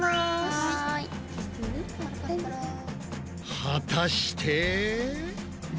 果たして？